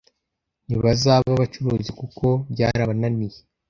ntibazaba abacuruzi kuko byarabananiye